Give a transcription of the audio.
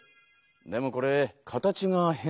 でもこれ形が変だよね。